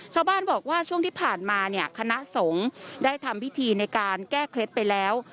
ชาวบ้านบอกว่าช่วงที่ผ่านมาเนี่ยคณะสงฆ์ได้ทำพิธีในการแก้เคล็ดไปแล้ว